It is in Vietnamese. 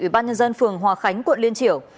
ủy ban nhân dân phường hòa khánh quận liên triểu